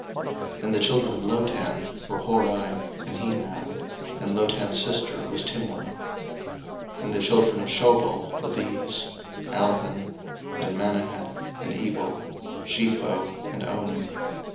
01:036:022 And the children of Lotan were Hori and Hemam; and Lotan's sister was Timna. 01:036:023 And the children of Shobal were these; Alvan, and Manahath, and Ebal, Shepho, and Onam.